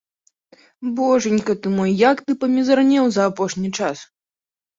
Божанька ты мой, як ты памізарнеў за апошні час!